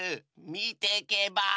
みてけばあ？